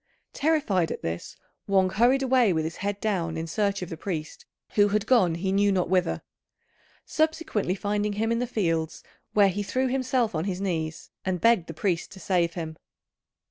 Terrified at this, Wang hurried away with his head down in search of the priest who had gone he knew not whither; subsequently finding him in the fields, where he threw himself on his knees and begged the priest to save him.